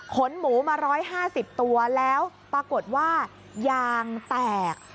ขนหมูมา๑๕๐ตัวแล้วปรากฏว่ายางแตก